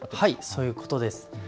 そういうことですね。